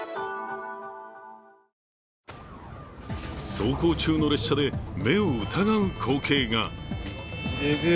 走行中の列車で目を疑う光景が。